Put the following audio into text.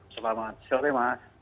selamat sore mas